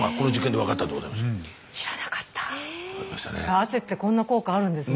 汗ってこんな効果あるんですね。